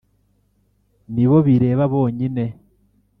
ni bo bireba bonyine.